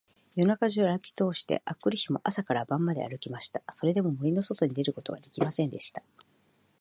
夜中じゅうあるきとおして、あくる日も朝から晩まであるきました。それでも、森のそとに出ることができませんでした。